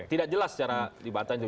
tidak jelas secara libatan itu